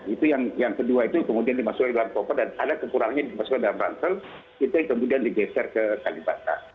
itu yang kedua itu kemudian dimasukkan ke dalam koper dan ada kekurangannya dimasukkan dalam ransel itu yang kemudian digeser ke kalibata